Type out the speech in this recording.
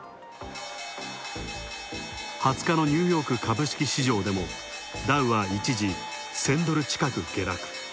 ２０日のニューヨーク株式市場でも、ダウは一時、１０００ドル近く下落。